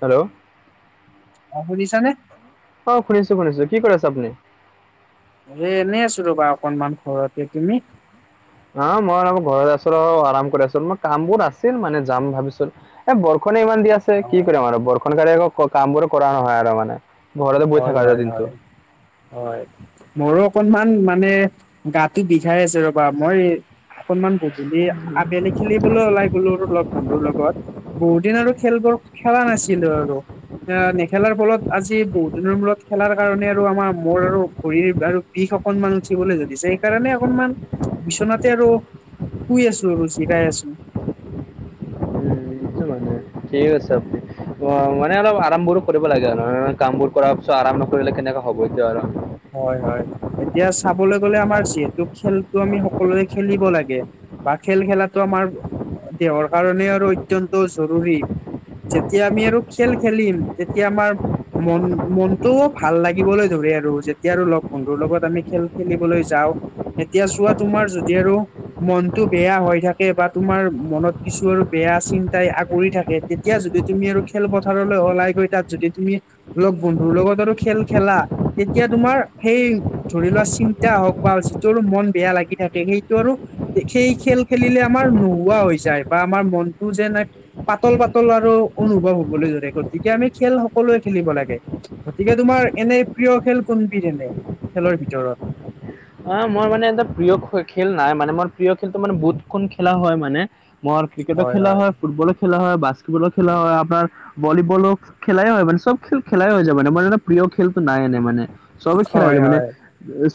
Hello অ শুনিছানে নে অ শুনিছো শুনিছো কি কৰি আছে আপুনি? এ এনেই আছো ৰ'বা অকনমান ঘৰতে তুমি। অ' মই অ ঘৰত আছো আৰু আৰাম কৰি আছো মই কাম বোৰ আছিল মানে যাম ভাবিছোঁ। এ বৰষুণে ইমান দি আছে কি অ', কৰিম আৰু বৰষুণক আকৌ কাম বোৰ কৰা নহয় আৰু মানে। ঘৰতে বহি হয় থকা যায় হয় দিনটো হয়, হয়। মোৰো অকনমান মানে গাটো বিষায় আছে ৰ'বা মই অকনমান গধূলি আবেলি খেলিবলৈ ওলাই গ'লো লগ বন্ধুৰ লগত। বহুত দিন আৰু খেলবোৰ খেলা নাছিলো আৰু এ নেখেলাৰ ফলত আজি বহুত দিনৰ মূৰত খেলাৰ কাৰণে আৰু আমাৰ মূৰ আৰু ভৰিৰ আৰু বিষ অকনমান উঠিবলৈ ধৰিছে সেইকাৰণে অকনমান বিচনাতে আৰু শুই আছো আৰু জিৰাই আছো। উম, এইটো মানে ঠিক আছে অ মানে অলপ আৰাম কৰিব লাগে আৰু কামবোৰ কৰাৰ পিছত আৰাম নকৰিলে কেনেকা হ'ব এতিয়া আৰু হয় হয়, এতিয়া চাবলৈ গ'লে আমাৰ যিহেতু খেলতো আমি সকলোৱে খেলিব লাগে। বা খেল খেলাটো আমাৰ দেহৰ কাৰণে আৰু অত্যন্ত জৰুৰী। যেতিয়া আমি আৰু খেল খেলিম তেতিয়া আমাৰ মন মনটোও ভাল লাগিবলৈ ধৰে আৰু যে এতিয়া আৰু লগ বন্ধুৰ লগত আমি খেল খেলিবলৈ যাওঁ এতিয়া চোৱা তোমাৰ যদি আৰু মনটো বেয়া হৈ থাকে বা তোমাৰ মনত কিছু আৰু বেয়া চিন্তাই আগুৰি থাকে। তেতিয়া যদি তুমি আৰু খেলপথাৰলৈ ওলাই গৈ তাত যদি তুমি লগ বন্ধুৰ লগত আৰু খেল খেলা তেতিয়া তোমাৰ সেই ধৰি লোৱা চিন্তা হওঁক বা যিটো আৰু মন বেয়া লাগি থাকে সেইটো আৰু সেই খেল খেলিলে আমাৰ নোহোৱা হৈ যায় বা আমাৰ মনটো যে নাই পাতল পাতল আৰু অনুভৱ হ'বলৈ ধৰে গতিকে আমি খেল সকলোৱে খেলিব লাগে। গতিকে তোমাৰ এনে প্ৰিয় খেল কোনবিধ এনে, খেলৰ ভিতৰত? অ' মই মানে এটা প্ৰিয় খে খেল নাই মানে মোৰ প্ৰিয় খেলতো মানে বহুত কম খেলা হয় মানে। মই ক্ৰিকেটো খেলা হয়, ফুটবলো খেলা হয়, বাস্কেটবলো খেলা হয় আপোনাৰ ভলীবলো খেলাই হয় মানে চব খেল খেলাই হৈ যায় মানে এটা প্ৰিয় খেলতো নাই এনেই মানে। চবেই খেলা হৈ হয় য মানে হয়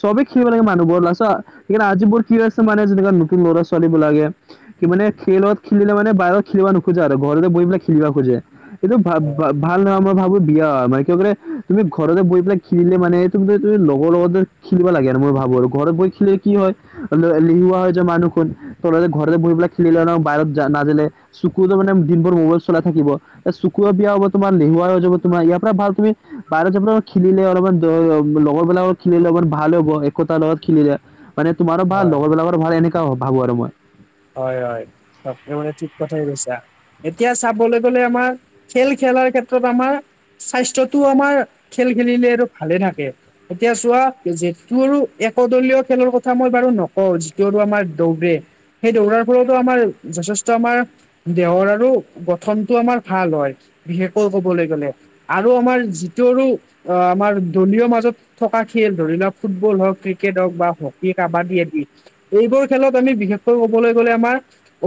চবেই সেইবিলাকে মানুহবোৰ চোৱা সেইকাৰনে আজি মোৰ কি হৈ আছে মানে যেনেকুৱা নতুন ল'ৰা ছোৱালী বিলাকে। কি মানে খেলত খেলিলে মানে বাহিৰত খেলিব নোখোজে আৰু ঘৰতে বহি পেলাই খেলিব খোজে। সেইটো ভাব- ব ভাল নহয় মই ভাবো দিয়া হয় মানে ক কৰেলে তুমি ঘৰতে বহি পেলাই খিনিলে মানে তুমি তুমি লগৰ লগত খেলিব লাগে আৰু মই ভাবো আৰু ঘৰত বৈ খেলিলে কি হয় এলেহুৱা হৈ যায় মানুহখন ততে ঘৰতে বহিপেলাই খেলিলে নহয় বাহিৰত নাজালে চকুতো মানে দিনভৰ মোবাইল চলাই থাকিব চকুৰো বেয়া হব তোমাৰ এলেহুৱা হৈ যাব তোমাৰ ইয়াৰ পৰা ভাল তুমি বাহিৰত যায় খেলিলে অলপমান লগৰবিলাকৰ খেলিলে অলপমান ভাল হ'ব। [inaudible] লগত খেলিলে মানে তোমাৰো ভাল হয়। লগৰবিলাকৰ ভাল এনেকুৱা ভাবো আৰু মই। হয় হয় [unintelligible] মানে ঠিক কথাই কৈছা। এতিয়া চাবলৈ গ'লে আমাৰ খেল খেলাৰ ক্ষেত্ৰত আমাৰ স্বাস্থ্যতটো আমাৰ খেল খেলিলে আৰু ভালে থাকে। এতিয়া চোৱা যিটো আৰু একদলীয় খেলৰ কথা মই বাৰু নকওঁ যিটো আৰু আমাৰ দৌৰে সেই দৌৰাৰ ফলতো আমাৰ যথেষ্ট আমাৰ দেহৰ আৰু গঠনটো আমাৰ ভাল হয়। বিশেষকৈ কবলৈ গ'লে আৰু আমাৰ যিটো আৰু অ আমাৰ দলীয় মাজত থকা খেল ধৰি লওঁক ফুটবল হওঁক, ক্ৰিকেট হওঁক বা হকী, কাবাডী আদি। এইবোৰ খেলত আমি বিশেষকৈ ক'বলৈ গ'লে আমাৰ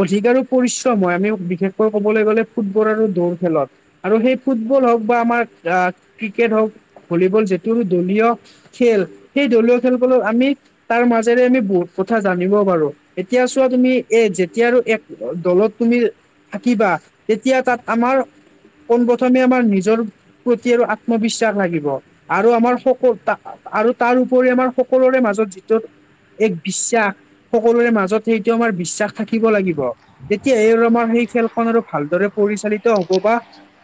অধিক আৰু পৰিশ্ৰম হয় আমি বিশেষকৈ ক'বলৈ গ'লে ফুটবল আৰু দৌৰ খেলত। আৰু সেই ফুটবল হওঁক বা আমাৰ আহ ক্ৰিকেট হওঁক ভলীবল যিটো দলীয় খেল সেই দলীয় খেলবোৰত আমি তাৰ মাজেৰে আমি বহুত কথা জানিব পাৰো। এতিয়া চোৱা তুমি এ যেতিয়া এক দলত তুমি থাকিবা তেতিয়া তাত আমাৰ পোন প্ৰথমে আমাৰ নিজৰ প্ৰতি আৰু আত্মবিশ্বাস লাগিব আৰু আমাৰ সকলোটা আৰু তাৰ উপৰি আমাৰ সকলোৰে মাজত যিটো এক বিশ্বাস সকলোৰে মাজত ত সেইটো আমাৰ বিশ্বাস থাকিব লাগিব। তেতিয়া এই আমাৰ সেই খেলখনৰ ভালদৰে পৰিচালিত হব বা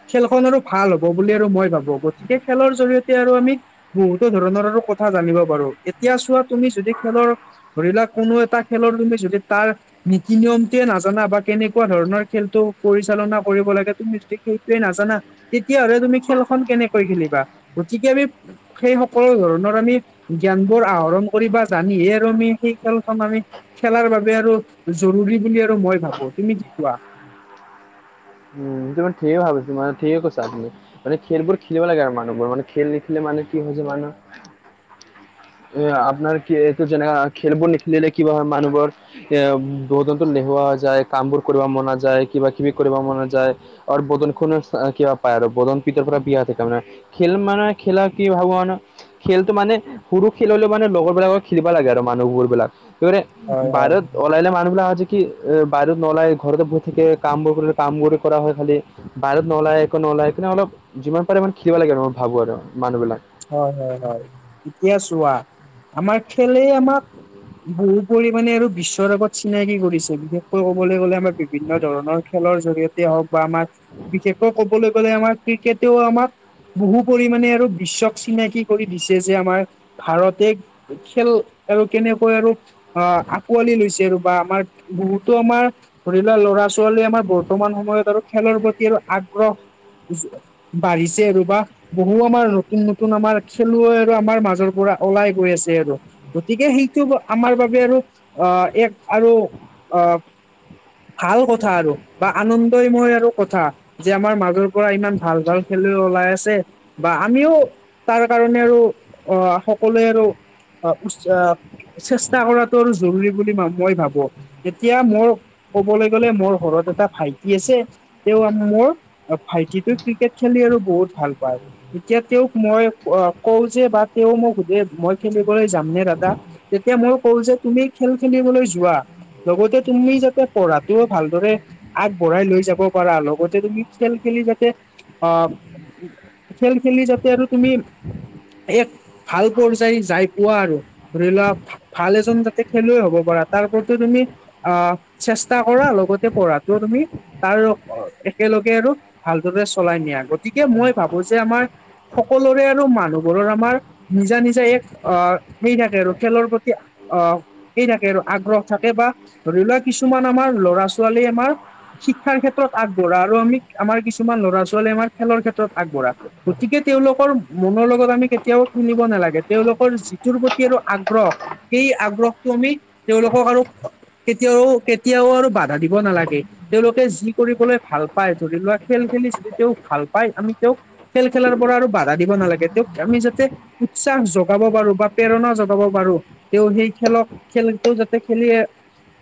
খেলখন আৰু ভাল হ'ব বুলি আৰু মই ভাবো গতিকে খেলৰ জৰিয়তে আৰু আমি বহুতো ধৰণৰ আৰু কথা জানিব পাৰো এতিয়া চোৱা তুমি যদি খেলৰ ধৰিলা কোনো এটা খেলৰ তুমি যদি তাৰ নীতি নিয়মটোৱে নাজানা বা কেনেকুৱা ধৰণৰ খেলটো পৰিচালনা কৰিব লাগে তুমি যদি সেইটোৱে নাজানা তেতিয়াহ'লে তুমি খেলখন কেনেকৈ খেলিবা গতিকে আমি সেই সকলো ধৰণৰ আমি জ্ঞান বোৰ আহৰণ কৰিব জানি আৰু আমি সেই খেলখন আমি খেলাৰ বাবে আৰু জৰুৰী বুলি আৰু মই ভাবো তুমি কি কোৱা। তুমি ঠিকেই ভাবিছা মাবে ঠিকে কৈছা তুমি। মানে খেলবোৰ খেলিব লাগে আৰু মানুহবোৰ মানে খেল নিখিলে মানে কি যাই মানু্হ। আপোনাৰ কি যেনে খেলবোৰ নেখেলিলে কিবা হয় মানুহবোৰ। এ বহু জন্তু এলেহুৱাৰ হৈ যায় কাম বোৰ কৰিব মনা নাযায় কিবা কিবি কৰিবা মন নাযায় আৰু বদন খুনা কিবা পায় আৰু বদন পিতৰ পৰা বিয়া দে মানে। খেল মানে খেলা কি ভাবো ন। খেলতটো মানে সৰু খেল হলে মানে লগৰ বিলাকৰ খেলিব লাগে আৰু মানুহবোৰ বিলাক সেইবোৰ হয় হয় বাহিৰত ওলাই মানুবিলাক হয় হৈছে কি বাহিৰত নোলাই ঘৰতে বহি থাকে কাম কৰে কামবোৰ কৰা হয় খালি বাহিৰত নলায় একো নুলাই সেইকাৰণে অলপ যিমান পাৰে ইমান খিনিব লাগে আৰু মই ভাবো আৰু মানুহবিলাক হয়ঁ হয়ঁ হয়ঁ এতিয়া চোৱা আমাৰ খেলেই আমাক বহু পৰিমামানে আৰু বিশ্বৰ আগত চিনাকি কৰিছে বিশেষকৈ ক'বলৈ গলে আমাৰ বিভিন্ন ধৰণৰ,,, খেলৰ জৰিয়তে হওঁক বা আমাৰ বিশেষকৈ কবলৈ গ'লে আমাৰ ক্ৰিকেটেও আমাক। বহু পৰিমমানে আৰু বিশ্বক চিনাকি কৰি দিছে যে আমাৰ্ ভাৰতে খেল আৰু কেনেকৈ আৰু, অঁ কি আঁকোৱালি লৈছে আৰু বা আমাৰ বহুতো আমাৰ ধৰিল ল'ৰা ছোৱালীয়ে আমাৰ বৰ্তমান সময়ত আৰু খেলৰ প্ৰতি আৰু আগ্ৰহ। বাঢ়িছে ৰবা বহু আমাৰ নতুন নতুন নতুন আমাৰ খেলুৱৈ আৰু আমাৰ মাজৰ পৰা ওলাই গৈ আছে আৰু। গতিকে সেইটো আমাৰ বাবে আৰু আহ এক আৰু আহ,,, ভাল কথা আৰু বা আনন্দয়ময় আৰু কথা। যে আমাৰ মাজৰ পৰা ইমান ভাল ভাল খেলুৱৈ ওলাই আছে বা আমিও তাৰ কাৰণে আৰু আহ সকলোৱে আৰু উচ্চ আহ। চেষ্টা কৰাটো আৰু জৰুৰী বুলি মই ভাবো এতিয়া মোৰ,,, ক'বলৈ গ'লে মোৰ ঘৰত এটা ভাইটি আছে। তেওঁ আৰু মোৰ ভাইটিটো ক্ৰিকেট খেলি আৰু বহুত ভাল পায় এতিয়া তেওঁক। মই অ কওঁ যে বা তেওঁ মোক সুধে মই খেলিবলৈ যাম নে দাদা। তেতিয়া মই কও যে তুমি খেল খেলিবলৈ যোৱা। লগতে তুমি যাতে পঢ়া টোও ভালদৰে,, আগবঢ়াই লৈ যাব পাৰা লগতে তুমি খেল খেলি যাতে অঁ। খেল খেলি যাতে আৰু তুমি এক। ভাল পৰযায় যাই পোৱা আৰু ধৰি লোৱা। ভাল এজন যাতে খেলুৱৈ হ'ব পাৰা তাৰ প্ৰতি তুমি। আ চেষ্টা কৰা লগতে পঢ়া কিয় তুমি। তাৰ অ একেলগে আৰু ভালদৰে চলাই নিয়া গতিকে মই ভাবো যে আমাৰ,,,, সকলোৰে আৰু মানুহবোৰৰ আমাৰ নিজা নিজা এক আহ হেৰি থাকে আৰু খেলৰ প্ৰতি আহ এই থাকে আৰু আগ্ৰহ থাকে বা ধৰি লোৱা কিছুমান আমাৰ ল'ৰা ছোৱালী আমাৰ,, শিক্ষাৰ ক্ষেত্ৰত আগবঢ়া আৰু আমি আমাৰ কিছুমান ল'ৰা ছোৱালী আমাৰ খেলৰ ক্ষেত্ৰত আগবঢ়া। গতিকে তেওঁলোকৰ মনৰ লগত আমি কেতিয়াও খেলিব নালাগে তেওঁলোকৰ যিটোৰ প্ৰতি আৰু আগ্ৰহ। সেই আগ্ৰহটো আমি তেওঁলোকক আৰু,,, কেতিয়াও কেতিয়াও আৰু বাধা দিব নালাগে। তেওঁলোকে যি কৰিবলৈ ভাল পায় ধৰি লোৱা খেল খেলি যদি তেওঁ ভাল পায় আমি তেওঁক,,, খেল খেলাৰ পৰা আৰু বাধা দিব নালাগে তেওঁ আমি যাতে। উচসাহ জগাব পাৰো বা প্ৰেৰণা জগাব পাৰো। তেওঁ সেই খেলক খেলটো যাতে খেলিয়ে,,,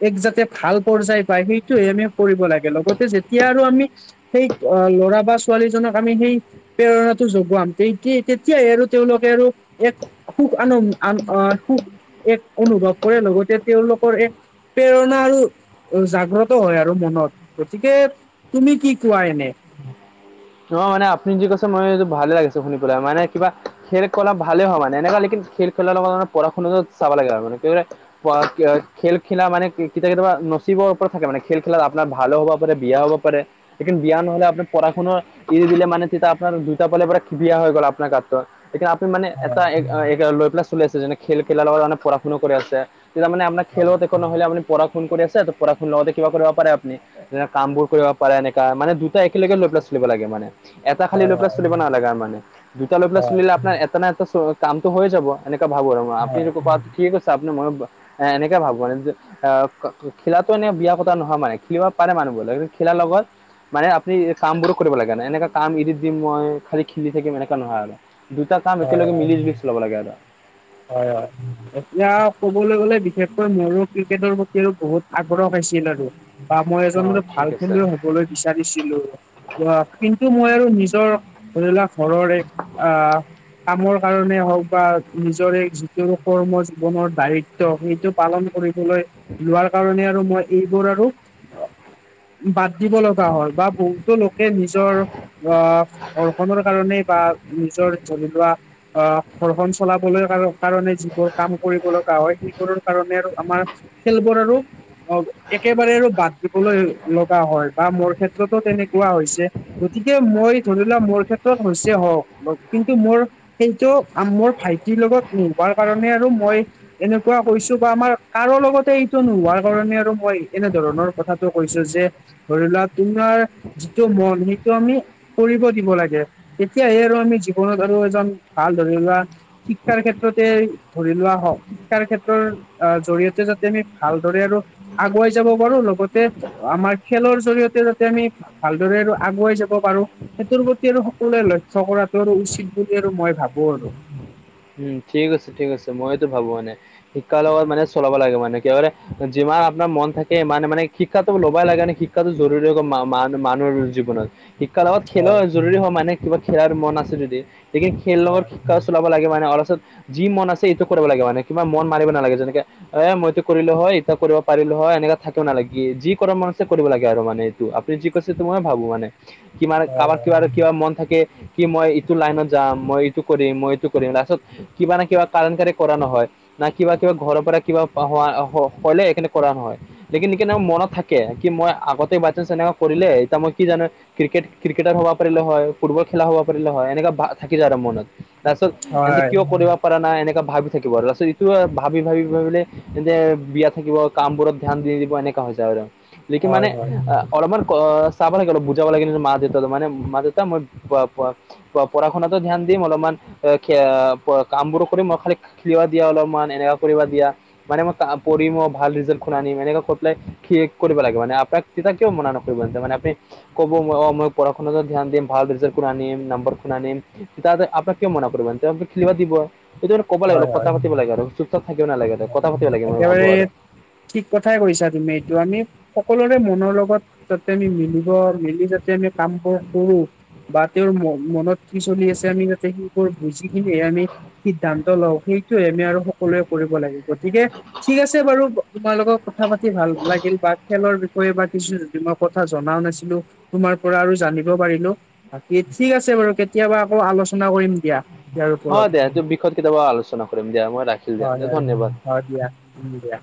এক যাতে ভাল পৰ্যায় পায় সেইটোয়ে আমি কৰিব লাগে লগতে যেতিয়া আৰু আমি। সেই ল'ৰা বা ছোৱালীজনক আমি সেই,,, প্ৰেৰণাটো যোগাম তেন্ত্ৰ তেতিয়াই আৰু তেওঁলোকে আৰু এক। সুখ আনন সুখ এক অনুভৱ কৰে লগতে তেওঁলোকৰ এক,, প্ৰেৰণা আৰু জাগ্ৰত হয় আৰু মনত গতিকে। তুমি কি কোৱা এনে? নহয় মানে আপুনি যি কৈছে মই এইটো ভালে লাগিছে শুনি পেলাই মানে কিবা খেল কা ভালে হয় মানে এনেকুৱা লেকিন ফিৰ খেলাৰ লগত পঢ়া শুনা টো চাবা লাগে আৰু মানে তেওঁ আ খেল খেলা মানে কেতিয়া কেতিয়াবা নচিবৰ ওপৰত থাকে মানে খেল খেলাত আপোনাৰ ভালো হ'ব। বিয়া হ'ব পাৰে কিন্ত বিয়া নহলে আপোনাৰ পঢ়া শুনা,,,, এৰি দিলে মানে তেতিয়া আপোনাৰ দুটা ফালৰ পৰা বিয়া হৈ গল আপোনাৰ কাৰ্ড টো। এতিয়া আপুনি মানে এটা এগ এ লৈ পেলাই চলি আছে যেনে খেল খেলাৰ লগত পঢ়া শুনাও কৰি আছে। তেতিয়া মানে আপোনাক খেলত একো নহলে আপোনি পঢ়া শুনা কৰি আছে ত পঢ়া ন লগওঁতে কিবা কৰিব পাৰে আপ। নি যে কামবোৰ কৰিব পাৰে এনেকা মানে দুটা একেলগে লৈ পেলাই চ চলিব লাগে মানে এটা খালী লৈ পেলাই চলিব নালাগে আৰু মানে। দুটা লৈ পেলাই চলিলে আপোনাৰ এটা না এটা কামটো হৈ যাব এনেকা ভাবো আৰু আপনি [unintelligible] ঠিক আছে আপনি ময়ো ব এ এনেকে ভাবো [unintelligible] যে আহ ক ক ক খেলাটো এনে বিয়া কথা নহয় মানে খেলিব পাৰে মানুহবোৰ কি খেলাৰ লগত মানে আপনি এই কামবোৰো কৰিব লাগে মানে এনেকা কাম এৰি দিম মই খালি খেলি থাকিম এনেকা নহয় আৰু দুটা কাম হয় একেলগে মিলি লৈ লব লাগে আৰু। হয় -হয়। এতিয়া কবলৈ গ'লে বিশেষকৈ মোৰো ক্ৰিকেটৰ প্ৰতিও বহুত আগ্ৰহ পাইছিল আৰু। বা মই অ এজন ঠিক ভাল আছে খেলুৱৈ হবলৈ বিচাৰিছিলো। [unintelligible] কিন্তু মই আৰু নিজৰ ধৰিলোৱা ঘৰৰে আহ কামৰ কাৰণে হওক বা নিজৰে যিটো কৰ্ম জীৱনৰ দায়িত্ব সেইটো। পালন কৰিবলৈ লোৱাৰ কাৰণে আৰু মই এইবোৰ আৰু বাদ দিব লগা হয় বা বহুতো লোকে নিজৰ আহ ঘৰ খনৰ কাৰণেই বা নিজৰ ধৰি লোৱা আ ঘৰখন চলাবলৈ কাৰ কাৰণে যিবোৰ কাম কৰিব লগা হয় সেইবোৰৰ কাৰণে আৰু আমাৰ খেলবোৰ আৰু। অ', একেবাৰে আৰু বাদ দিবলৈ লগা হয় বা মোৰ ক্ষেত্ৰতো তেনেকুৱা হৈছে। গতিকে মই ধৰি লোৱা মোৰ ক্ষেত্ৰত হৈছে হও মই কিন্তু মোৰ সেইটো মোৰ ভাই তিৰ লগত নোৱাৰ কাৰণে আৰু মই। এনেকুৱা কৈছো বা আমাৰ কাৰো লগতে এইটো নোহোৱাৰ কাৰণে আৰু মই এনেধৰণৰ কথাটো কৈছো যে। ধৰি লোৱা তোমাৰ যিটো মন সেইটো আমি। কৰিব দিব লাগে তেতিয়াহে আৰু আমি জীৱনত আৰু এজন ভাল ধৰি লোৱা। শিক্ষাৰ ক্ষেত্ৰতেই ধৰি লোৱা হওক। শিক্ষাৰ ক্ষেত্ৰৰ জৰিয়তে যাতে আমি ভালদৰে আৰু। আগুৱাই যাব পাৰো লগতে আমাৰ খেলৰ জৰিয়তে যাতে আমি। ভালদৰে আৰু আগুৱাই যাব পাৰো। সেইটোৰ প্ৰতি আৰু সকলোৱে লক্ষ্য কৰাটো আৰু উচিত বুলি আৰু মই ভাবো আৰু। উম ঠিক আছে ঠিক আছে মই এইতো ভাবো মানে। শিক্ষাৰ লগত মানে চলাব লাগে মানে কিহলে যিমান আপোনাৰ মন থাকে ইমানে মানে কি শিক্ষাটো লবাই লাগে নে, শিক্ষাটো জৰুৰী হৈ গল মা-মা-মান মানুহৰ জীৱনত। শিক্ষাৰ লগত খেলো হয় জৰুৰী হয়, মানে কিবা খেলাৰ মন আছে যদি। গতিকে খেল লগত হয় শিক্ষাও চলাব লাগে বা তাৰ পাচত, যি মন আছে এইটো কৰিব লাগে মানে, কিবা মন মাৰিব নালাগে। যেনেকে আই, 'মই এইটো কৰিলোঁ হয়', 'এইটো কৰিব পাৰিলোঁ হয়' এনেকে থাকিব নালাগে। যি কৰিব মন আছে, কৰিব লাগে আৰু মানে। তু, আপুনি যি কৈছে এইটো মইও ভাবোঁ মানে। কিমান হয় কাৰবাৰ কিব কিবা মন থাকে কি, 'মই এইটো লাইনত যাম, 'মই এইটো কৰিম', 'মই এইটো কৰিম'। লাষ্ট ত কিবা নে কিবা কাৰণকাৰী কৰা নহয়। না কিবা কিবা, ঘৰৰ পৰা কিবা পাহোৱা হ' হ'লে সেইকাৰণে কৰা নহয়। লেকিন নিকিনা মনত থাকে। কি মই আগতে বাইচাঞ্চ এণেকা কৰিলে, এতিয়া মই কি জানে ক্ৰিকেট ক্ৰিকেটাৰ হ'বা পাৰিলোঁ হয়, ফুটবল খেলা হ'বা পাৰিলোঁ হয়, এনেকা বা থাকিলে আৰু মনত। তাৰপিছত এন্তে হয় কিয় কৰিব পৰা নাই এনেক ভাবি থাকিব আৰু তাৰপিছত ইটো ভাবি ভাবি ভাবিলে। জোনে বিয়া থাকিব কাম বোৰত ধ্যান দি দিব এনেকুৱা হৈ যায় আৰু লেকিন হয় মানে হয় অলপমান অ চাব লাগে অলপ, বুজাব লাগে মা-দেউতাকো মা-দেউতা মই পঢ়া-শুনাটো ধ্যান দিম অলপমান কাম বোৰ কৰিম মই খালি খেলিবা দিয়া অলপমান এনেকুৱা কৰিব দিয়া মানে মই তা পৰিম অ মই ভাল ৰিজাল্ট খন আনিম, এনেকা কৈ পেলাই শেষ কৰিব লাগে মানে আটাইত তেতিয়া কিয়ো মানা নকৰিব ইহঁতে আপুনি ক'ব, মই অ' মই পঢ়া-শুনাটো ধ্যান দিম, ভাল ৰিজাল্ট কৰি আনিম নাম্বৰখন আনিম। তেতিয়া যে আপেককে মানা কৰিব নোৱাৰে খেলিব দিব। সেইটো মানে ক'ব লাগে অলপ, হয় হয় কথা পাতিব লাগে আৰু চুপ-চাপ থাকিব নালাগে আৰু হয় কথা পাতিব লাগে মই ভাবোঁ একেবাৰে আৰু। ঠিক কথাই কৈছা তুমি এইটো আমি সকলোৰে মনৰ লগত, যাতে আমি মিলিব, মিলি যাতে আমি কাম বোৰ কৰো বা তেওঁৰ ম' মনত কি চলি আছে, আমি যাতে সেইবোৰ বুজিকেনে আমি সিদ্ধান্ত লওঁ, সেইটোয়ে আমি আৰু স কৰিব লাগে। গতিকে ঠিক আছে বাৰু, তোমালগত কথা পাতি ভাল লাগিল বা খেলৰ বি কৰিবা কিছু যিমা কথা জনাও নাছিলোঁ, তোমাৰ পৰা আৰু জানিব পাৰিলোঁ। বাকী ঠিক আছে বাৰু, কেতিয়াবা আকৌ আলোচনা কৰিম দিয়া ইয়াৰ হয় ওপৰত দিয়া, এইটো বিষয়ত কেতিয়াবা আলোচনা কৰিম দিয়া মই ৰাখি হয় হয়, হয় দিয়া, দিয়া